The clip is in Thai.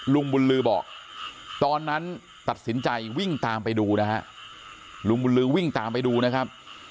ลุงบุญลือบอกตอนนั้นตัดสินใจวิ่งตามไปดูนะฮะลุงบุญลือวิ่งตามไปดูนะครับ